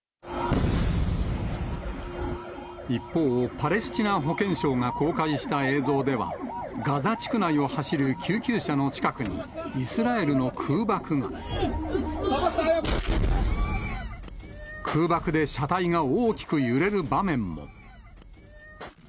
一方、パレスチナ保健省が公開した映像では、ガザ地区内を走る救急車の近くに、イスラエルの空爆が。空爆で車体が大きく揺れる場面も。